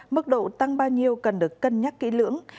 mức độ tăng bao nhiêu cần được cân nhắc kỹ lưỡng